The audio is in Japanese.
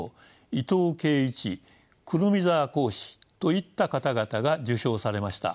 伊藤桂一胡桃沢耕史といった方々が受賞されました。